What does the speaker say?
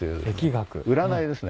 占いですね。